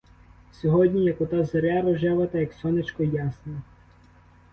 Сьогодні — як ота зоря рожева та як сонечко ясна.